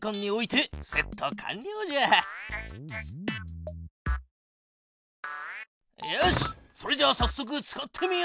よしっそれじゃあさっそく使ってみよう。